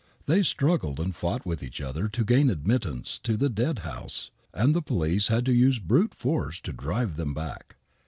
They struggled and fought with each other to gain admittance to the dead house and the police had to use brute force to drive them back.